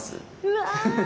うわ。